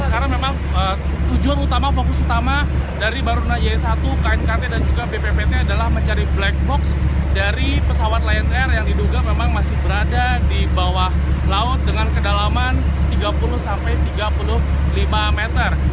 sekarang memang tujuan utama fokus utama dari baruna y satu knkt dan juga bppt adalah mencari black box dari pesawat lion air yang diduga memang masih berada di bawah laut dengan kedalaman tiga puluh sampai tiga puluh lima meter